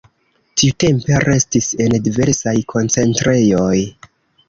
Tiutempe restis en diversaj koncentrejoj.